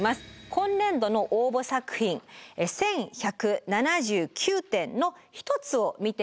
今年度の応募作品１，１７９点の１つを見て頂きます。